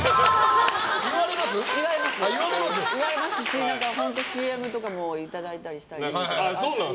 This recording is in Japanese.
言われますしＣＭとかもいただいたりして。